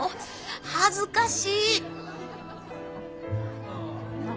恥ずかし。